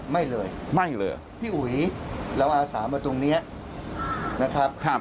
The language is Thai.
ไม่เลยไม่เลยพี่อุ๋ยเราอาสามาตรงนี้นะครับ